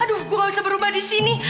aduh gue gak bisa berubah disini